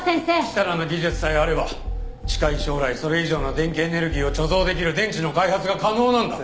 設楽の技術さえあれば近い将来それ以上の電気エネルギーを貯蔵できる電池の開発が可能なんだ。